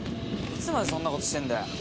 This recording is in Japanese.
いつまでそんな事してんだよ！？